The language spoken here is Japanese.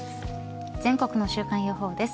全国の週間予報です。